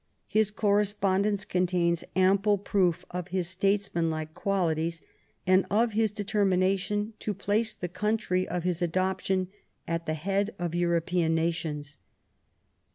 His correspondence contains ample proof of his statesmanlike qualities, and of his determination to place the country of his adoption at the head of European nations.